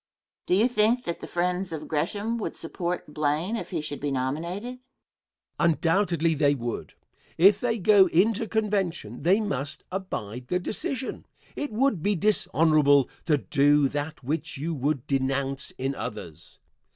Question. Do you think that the friends of Gresham would support Blaine if he should be nominated? Answer. Undoubtedly they would. If they go into convention they must abide the decision. It would be dishonorable to do that which you would denounce in others.